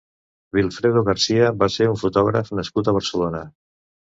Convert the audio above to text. Wilfredo García va ser un fotògraf nascut a Barcelona.